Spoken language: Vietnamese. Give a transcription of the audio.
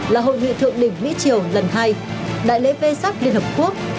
là hội nghị thượng đỉnh mỹ triều lần hai đại lễ vê sắc liên hợp quốc